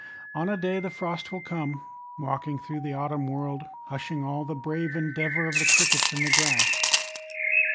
On a day the frost will come, 5 Walking through the autumn world, Hushing all the brave endeavour Of the crickets in the grass.